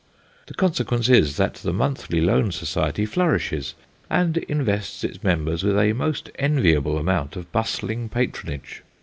The consequence is, that the monthly loan society flourishes, and invests its members with a most enviable amount of bustling patronage.